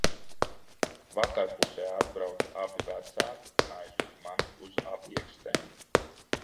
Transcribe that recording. "Vakarpusē atbrauca abi vecāki un aizveda mani uz "Aviekstēm"."